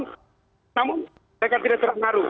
namun mereka tidak terpengaruh